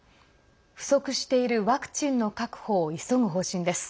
不足しているワクチンの確保を急ぐ方針です。